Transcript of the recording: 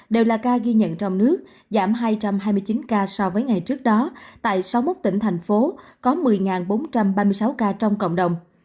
đều là ca ghi nhận trong nước giảm hai trăm hai mươi chín ca so với ngày trước đó tại sáu mươi một tỉnh thành phố có một mươi bốn trăm ba mươi sáu ca trong cộng đồng